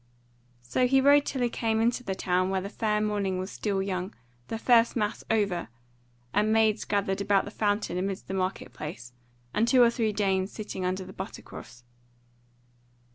So he rode till he came into the town when the fair morning was still young, the first mass over, and maids gathered about the fountain amidst the market place, and two or three dames sitting under the buttercross.